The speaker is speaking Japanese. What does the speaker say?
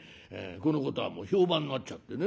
このことはもう評判になっちゃってね